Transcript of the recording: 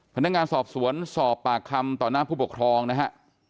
พนักงานสอบสวนสอบปากคำต่อหน้าผู้ปกครองนะฮะ